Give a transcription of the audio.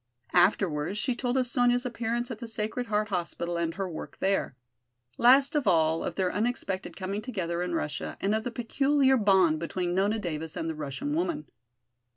Afterwards she told of Sonya's appearance at the Sacred Heart Hospital and her work there. Last of all, of their unexpected coming together in Russia and of the peculiar bond between Nona Davis and the Russian woman.